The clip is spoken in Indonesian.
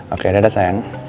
oke dadah sayang